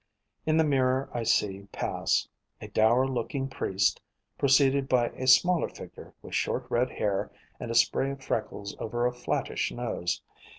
In the mirror I see pass: a dour looking priest, proceeded by a smaller figure with short red hair and a spray of freckles over a flattish nose.